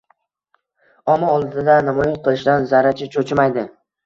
Omma oldida namoyon qilishdan zarracha choʻchimaydi.